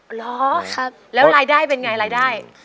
เหรอแล้วรายได้เป็นไงรายได้